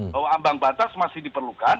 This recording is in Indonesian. bahwa ambang batas masih diperlukan